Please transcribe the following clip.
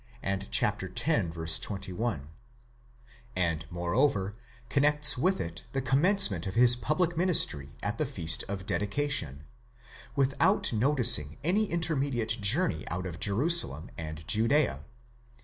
21),and moreover connects with it the commencement of his public ministry at the feast of dedication, without noticing any intermediate journey out of Jerusalem and Judea (x.